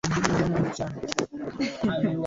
watu wengi hawakuweza kununua tiketi za daraja la juu